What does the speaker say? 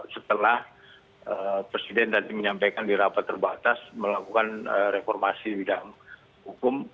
setelah presiden tadi menyampaikan di rapat terbatas melakukan reformasi bidang hukum